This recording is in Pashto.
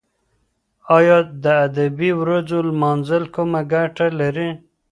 ایا د ادبي ورځو لمانځل کومه ګټه لري؟